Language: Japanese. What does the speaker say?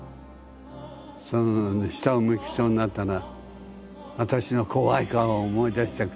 そのね下を向きそうになったらあたしの怖い顔を思い出して下さい。